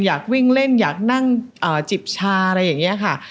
อยากวิ่งเล่นอยากนั่งจิบชาอะไรอย่างนี้ค่ะ